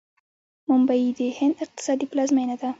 ممبۍ د هند اقتصادي پلازمینه ده.